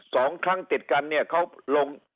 สองครั้งติดกันเนี่ยเขาลง